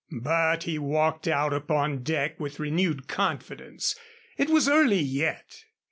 But he walked out upon deck with renewed confidence. It was early yet.